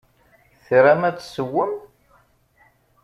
Tram ad tessewwem?